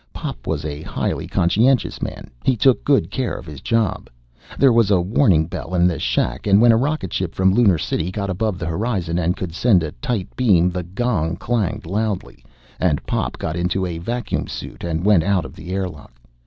Pop was a highly conscientious man. He took good care of his job. There was a warning bell in the shack, and when a rocketship from Lunar City got above the horizon and could send a tight beam, the gong clanged loudly, and Pop got into a vacuum suit and went out the air lock.